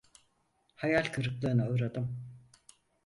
Hayal kırıklığına uğradım.